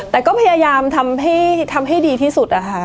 แต่ก็พยายามทำให้ดีที่สุดอะค่ะ